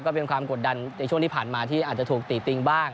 ก็เป็นความกดดันในช่วงที่ผ่านมาที่อาจจะถูกตีติติงบ้าง